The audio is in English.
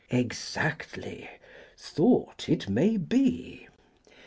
Exactly "thought" it may be.